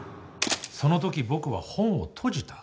そのとき僕は本を閉じた。